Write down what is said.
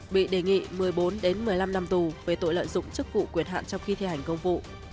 bị đề nghị một mươi bốn một mươi năm năm tù về tội lợi dụng chức vụ quyền hạn trong khi thi hành công vụ